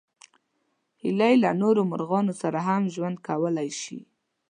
هیلۍ له نورو مرغانو سره هم ژوند کولی شي